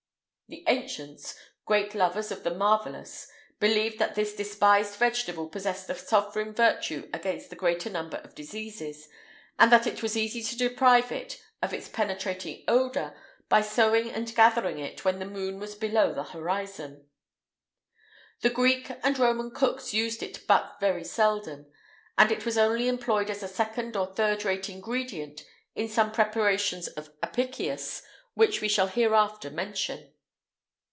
[IX 190] The ancients, great lovers of the marvellous, believed that this despised vegetable possessed a sovereign virtue against the greater number of diseases,[IX 191] and that it was easy to deprive it of its penetrating odour by sowing and gathering it when the moon was below the horizon.[IX 192] The Greek and Roman cooks used it but very seldom, and it was only employed as a second or third rate ingredient in some preparations of Apicius which we shall hereafter mention.